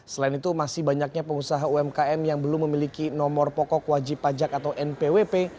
selain itu masih banyaknya pengusaha umkm yang belum memiliki nomor pokok wajib pajak atau npwp